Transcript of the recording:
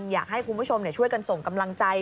อยากให้คุณผู้ชมช่วยกันส่งกำลังใจ